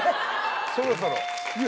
そろそろ。